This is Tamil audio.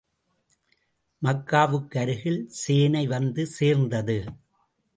மக்காவுக்கு அருகில் சேனை வந்து சேர்ந்தது.